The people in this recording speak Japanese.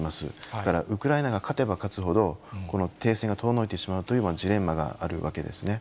だからウクライナが勝てば勝つほど、この停戦が遠のいてしまうというジレンマがあるわけですね。